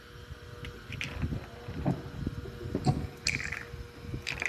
ایا بد بوی تل بد دی؟